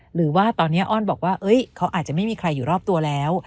หรือว่าตอนนี้อ้อนบอกว่าเขาอาจจะไม่มีใครอยู่รอบตัวแล้ว